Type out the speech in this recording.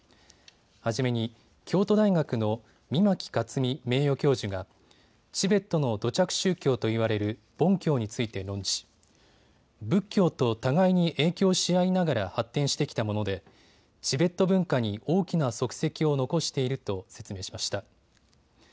初めに京都大学の御牧克己名誉教授がチベットの土着宗教といわれるボン教について議論し仏教徒と互いに影響し合いながら発展してきたもので、チベット文化に大きな足跡を残していると説明しました。